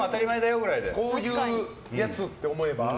こういうやつって思えば。